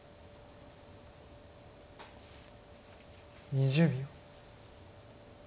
２０秒。